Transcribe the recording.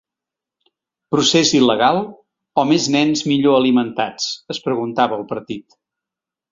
Procés il·legal o més nens millor alimentats?, es preguntava el partit.